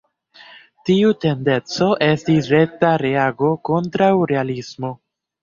Tiu tendenco estis rekta reago kontraŭ realismo.